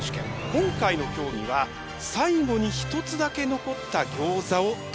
今回の競技は「最後に一つだけ残ったギョーザを食べる」です。